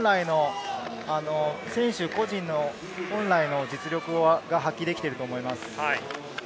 選手個人の本来の実力が発揮できていると思います。